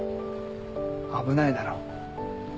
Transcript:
危ないだろ。